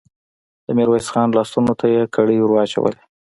د ميرويس خان لاسونو ته يې کړۍ ور واچولې.